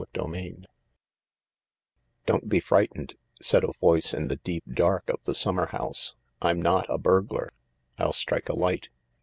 CHAPTER XIV " Don't be frightened," said a voice in the deep dark of the summer house. " I'm not a burglar. I'll strike a light."